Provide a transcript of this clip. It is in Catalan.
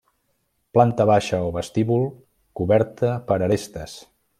Planta baixa o vestíbul, coberta per arestes.